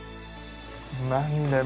何だよ